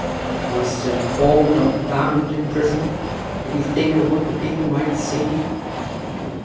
"Was St. Paul not bound in prison? Did he think of what the people might see?"